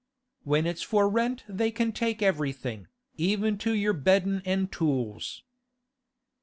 When it's for rent they can take everything, even to your beddin' an' tools.